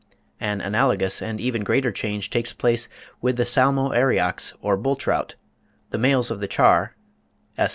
An analogous and even greater change takes place with the Salmo eriox or bull trout; the males of the char (S.